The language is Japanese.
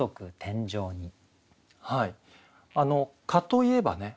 「蚊」といえばね